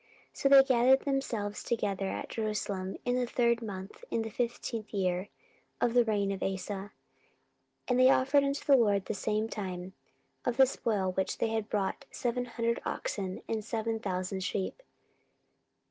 14:015:010 So they gathered themselves together at Jerusalem in the third month, in the fifteenth year of the reign of Asa. 14:015:011 And they offered unto the LORD the same time, of the spoil which they had brought, seven hundred oxen and seven thousand sheep.